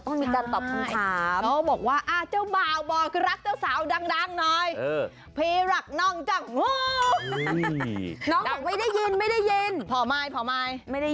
ต้องมีการตอบคุณคามใช่ใช่ใช่ใช่ใช่